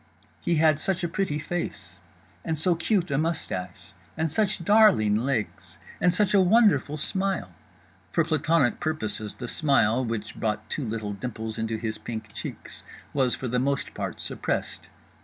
He had such a pretty face! and so cute a moustache! and such darling legs! and such a wonderful smile! For plantonic purposes the smile—which brought two little dimples into his pink cheeks—was for the most part suppressed.